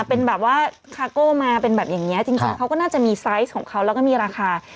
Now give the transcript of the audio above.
เป็นแบบว่าคาโก้มาเป็นแบบอย่างนี้จริงเขาก็น่าจะมีไซส์ของเขาแล้วก็มีราคา